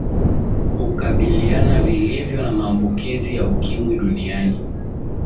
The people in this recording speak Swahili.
ukabiliana vilivyo na maambukizi ya ukimwi duniani